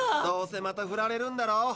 どうせまたフラれるんだろ。